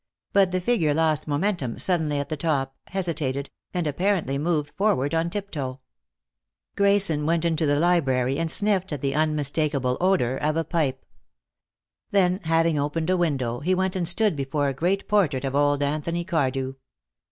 But the figure lost momentum suddenly at the top, hesitated, and apparently moved forward on tiptoe. Grayson went into the library and sniffed at the unmistakable odor of a pipe. Then, having opened a window, he went and stood before a great portrait of old Anthony Cardew.